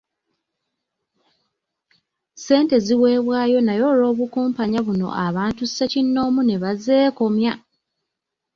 Ssente ziweebwayo naye olw’obukumpanya buno, abantu ssekinnoomu ne bazeekomya.